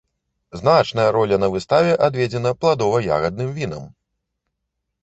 Значная роля на выставе адведзена пладова-ягадным вінам!